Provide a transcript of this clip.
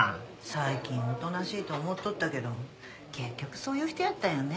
最近おとなしいと思っとったけど結局そういう人やったんやね。